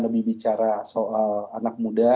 lebih bicara soal anak muda